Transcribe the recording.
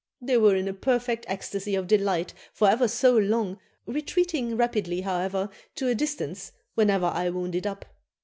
They were in a perfect ecstasy of delight for ever so long, retreating rapidly, however, to a distance whenever I wound it up.